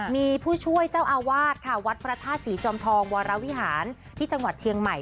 มีผู้ช่วยเจ้าอาวาสค่ะวัดพระธาตุศรีจอมทองวรวิหารที่จังหวัดเชียงใหม่